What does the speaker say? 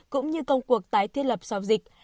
cũng như công cuộc tái thiết lập sau dịch